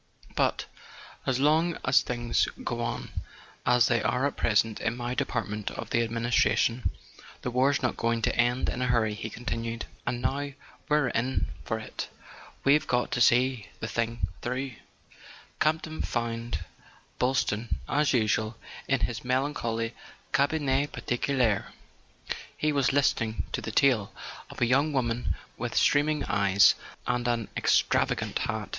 "But, as long as things go on as they are at present in my department of the administration, the war's not going to end in a hurry," he continued. "And now we're in for it, we've got to see the thing through." Campton found Boylston, as usual, in his melan¬ choly cabinet particulier. He was listening to the tale of a young woman with streaming eyes and an ex¬ travagant hat.